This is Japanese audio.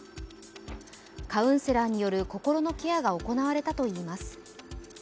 カウンセラーによる心のケアが行われたといいます。